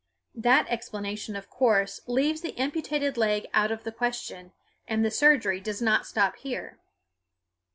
That explanation, of course, leaves the amputated leg out of the question; and the surgery does not stop here.